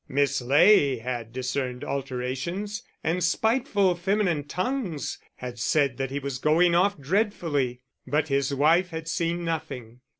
Miss Ley had discerned alterations, and spiteful feminine tongues had said that he was going off dreadfully. But his wife had seen nothing.